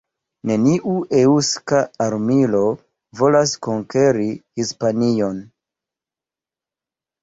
Neniu eŭska armilo volas konkeri Hispanion".